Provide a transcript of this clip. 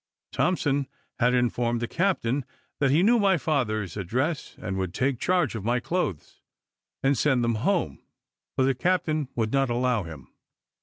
Thompson had informed the captain that he knew my father's address, and would take charge of my clothes, and send them home, but the captain would not allow him.